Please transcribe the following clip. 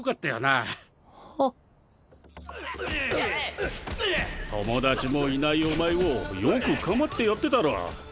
んっんっ友達もいないお前をよく構ってやってたろ。